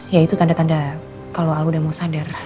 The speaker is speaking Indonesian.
ya itu tanda tanda kalau albu udah mau sadar